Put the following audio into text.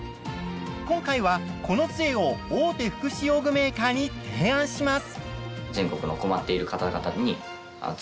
今回はこのつえを大手福祉用具メーカーに提案します。